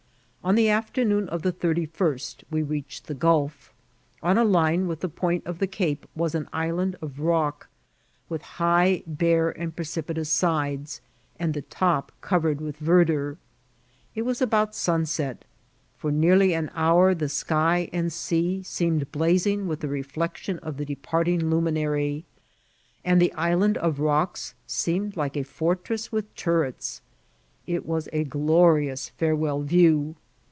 On the afternoon of the thirty* first we entered the gulf. On a line with the point of the cape was an island of rock, with high, bare, and precipitous sides, and the top covered with verdure. It was about sunset ; fcnr nearly an hour the sky and sea seemed blazing with the reflection of the departing lu minary, and the island of rocks seemed like a fortress with turrets. It was a glorious farewell view.